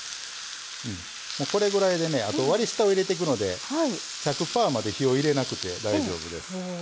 これぐらいであと割り下入れていくので１００パーまで火を入れなくて大丈夫です。